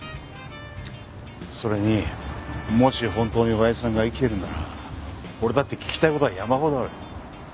それにもし本当に親父さんが生きてるなら俺だって聞きたい事は山ほどある。